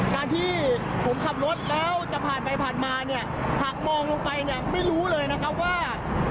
การที่ผมขับรถแล้วจะผ่านไปผ่านมาเนี่ยหากมองลงไปเนี่ยไม่รู้เลยนะครับว่า